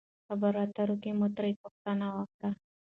خبرو اترو کښې مو ترې پوښتنه وکړه